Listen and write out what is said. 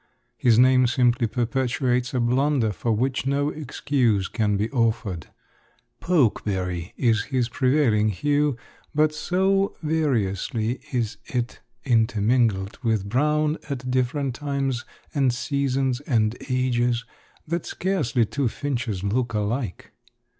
His name simply perpetuates a blunder for which no excuse can be offered. Pokeberry is his prevailing hue, but so variously is it intermingled with brown at different times and seasons and ages, that scarcely two finches look alike.